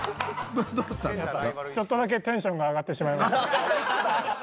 ちょっとだけテンションが上がってしまいました。